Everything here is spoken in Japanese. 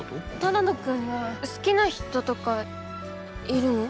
只野くんは好きな人とかいるの？